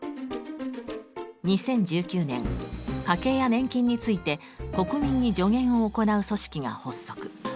２０１９年家計や年金について国民に助言を行う組織が発足。